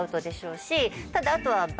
ただあとは。